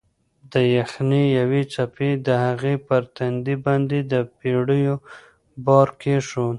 د یخنۍ یوې څپې د هغې پر تندي باندې د پېړیو بار کېښود.